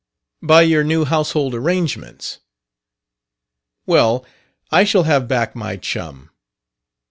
"By your new household arrangements." "Well, I shall have back my chum."